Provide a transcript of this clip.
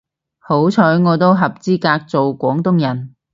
好彩我都合資格做廣東人